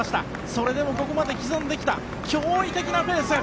それでもここまで刻んできた驚異的なペース